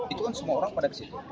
itu kan semua orang pada di situ